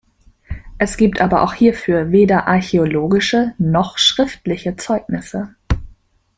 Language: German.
Es gibt aber auch hierfür weder archäologische noch schriftliche Zeugnisse.